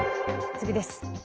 次です。